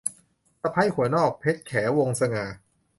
สะใภ้หัวนอก - เพ็ญแข วงศ์สง่า